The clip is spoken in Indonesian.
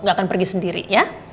nggak akan pergi sendiri ya